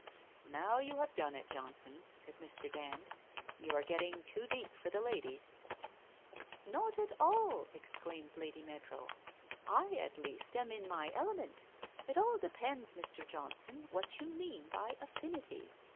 ' Now you have done it, Johnson,' said Mr. Dand. * You are getting too deep for the ladies.' ' Not at all !' exclaimed Lady Meadrow. ' I, at least, am in my element. It all depends, Mr. Johnson, what you mean by affinity?